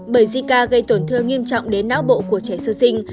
bởi jica gây tổn thương nghiêm trọng đến não bộ của trẻ sơ sinh